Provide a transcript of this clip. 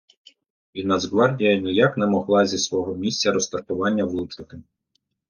І Нацгвардія ніяк не могла зі свого місця розташування влучити.